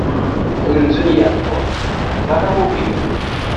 Amenzu n Yeɛqub, d Rawubin.